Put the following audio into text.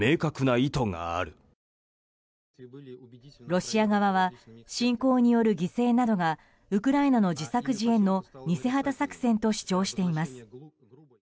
ロシア側は侵攻による犠牲などがウクライナの自作自演の偽旗作戦と主張しています。